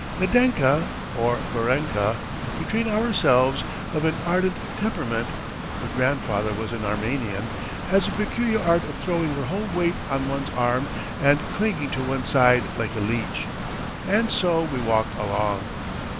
Nadenka (or Varenka), between ourselves, of an ardent temperament (her grandfather was an Armenian), has a peculiar art of throwing her whole weight on one's arm and clinging to one's side like a leech. And so we walk along.